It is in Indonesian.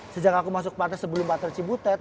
sejak aku masuk partai sebelum partai cibutet